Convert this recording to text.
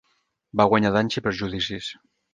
Va guanyar danys i perjudicis.